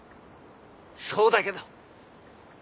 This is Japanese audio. そうだけど。